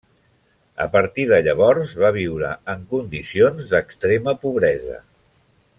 A partir de llavors va viure en condicions d'extrema pobresa.